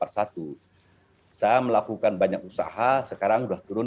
saya melakukan banyak usaha sekarang sudah turun tiga puluh sembilan